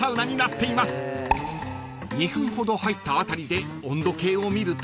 ［２分ほど入ったあたりで温度計を見ると］